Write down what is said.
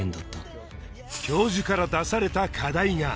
教授から出された課題が